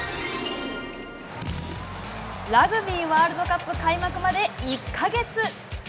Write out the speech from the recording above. ラグビーワールドカップ開幕まで１か月。